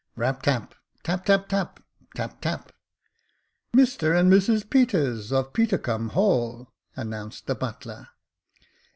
Rap tap, rap tap tap, tap tap. " Mr and Mrs Peters, of Petercumb Hall," announced the butler.